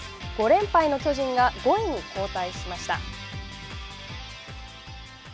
５連敗の巨人が５位に交代しました。